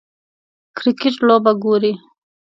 کریکټ لوبه ګورئ